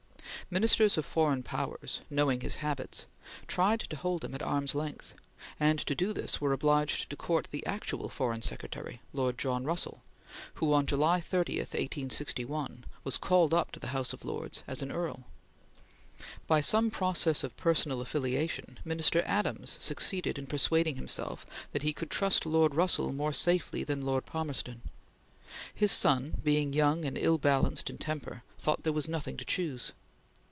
Ministers of foreign powers, knowing his habits, tried to hold him at arms' length, and, to do this, were obliged to court the actual Foreign Secretary, Lord John Russell, who, on July 30, 1861, was called up to the House of Lords as an earl. By some process of personal affiliation, Minister Adams succeeded in persuading himself that he could trust Lord Russell more safely than Lord Palmerston. His son, being young and ill balanced in temper, thought there was nothing to choose.